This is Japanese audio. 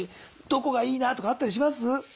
どこがいいなとかあったりします？